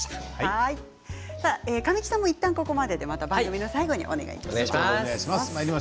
神木さんも、いったんここまででまた番組の最後にお願いします。